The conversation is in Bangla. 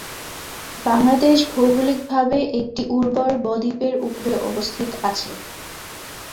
বাংলাদেশ ভৌগলিকভাবে একটি উর্বর বদ্বীপের উপরে অবস্থিত আছে।